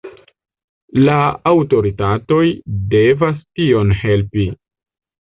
La aŭtoritatoj devas tion helpi.